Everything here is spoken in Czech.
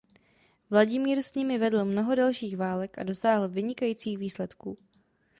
Vladimír s nimi vedl mnoho dalších válek a dosáhl vynikajících výsledků.